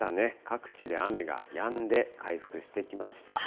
各地で雨がやんで、回復してきました。